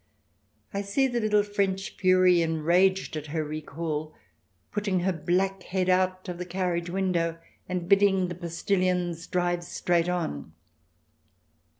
I see the little French fury, enraged at her recall, putting her black head out of the carriage window, and bidding the postilions drive straight on.